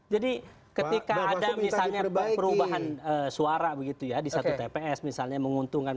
jadi ketika ada misalnya perubahan suara di satu tps misalnya menguntungkan satu